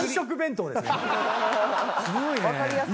すごいね。